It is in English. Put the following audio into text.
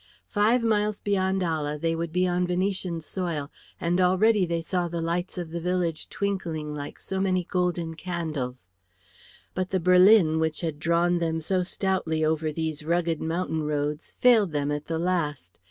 Five miles beyond Ala they would be on Venetian soil, and already they saw the lights of the village twinkling like so many golden candles. But the berlin, which had drawn them so stoutly over these rugged mountain roads, failed them at the last.